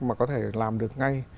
mà có thể làm được ngay